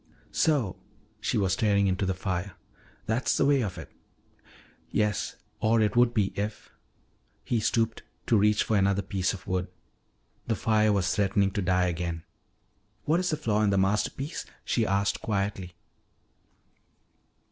"So," she was staring into the fire, "that's the way of it?" "Yes. Or it would be if " He stooped to reach for another piece of wood. The fire was threatening to die again. "What is the flaw in the masterpiece?" she asked quietly.